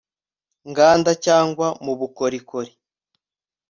nganda cyangwa mu bukorikori